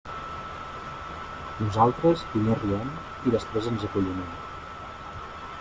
Nosaltres, primer riem i després ens acollonim.